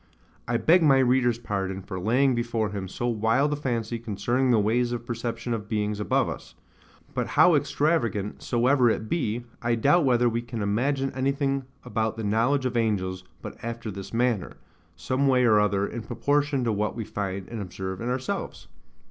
I beg my reader's pardon for laying before him so wild a fancy concerning the ways of perception of beings above us; but how extravagant soever it be, I doubt whether we can imagine anything about the knowledge of angels but after this manner, some way or other in proportion to what we find and observe in ourselves.